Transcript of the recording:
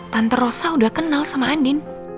tante rosa udah kenal sama andin